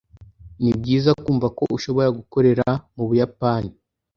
Nibyiza kumva ko ushobora gukorera mubuyapani